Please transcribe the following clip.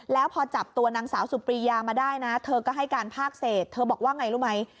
แล้วพอจับตัวนางสาวสุปรียามาได้นะเธอก็ให้การภาคเศษเธอบอกว่าไงรู้ไหม